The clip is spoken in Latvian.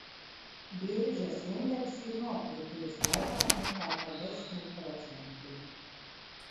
Biržas indekss ir nokrities vairāk nekā par desmit procentiem.